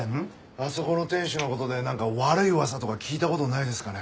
あそこの店主の事でなんか悪い噂とか聞いた事ないですかね？